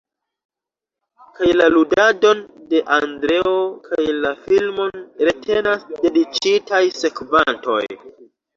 Kaj la ludadon de Andreo kaj la filmon retenas dediĉitaj sekvantoj.